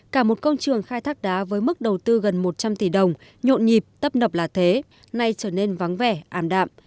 cả một công trường khai thác đá với mức đầu tư gần một trăm linh tỷ đồng nhộn nhịp tấp nập là thế nay trở nên vắng vẻ ảm đạm